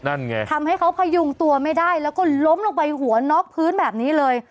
นั่นไงทำให้เขาพยุงตัวไม่ได้แล้วก็ล้มลงไปหัวน็อกพื้นแบบนี้เลย